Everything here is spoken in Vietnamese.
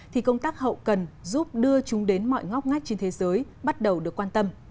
thì công tác hậu cần giúp đưa chúng đến mọi ngóc ngách trên thế giới bắt đầu được quan tâm